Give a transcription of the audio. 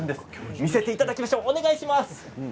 見せていただきましょう。